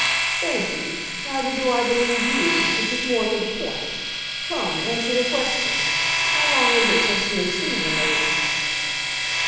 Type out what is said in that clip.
"Thank you; neither do I believe you, which is more to the point. Come, answer the question: how long is it since you have seen the lady?"